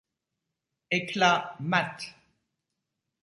Éclat mat.